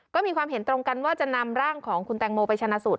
ก็มีความเห็นตรงกันว่าจะนำร่างของคุณแตงโมไปชนะสูตร